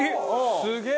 すげえ！